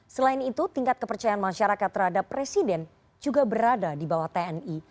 selain itu tingkat kepercayaan masyarakat terhadap presiden juga berada di bawah tni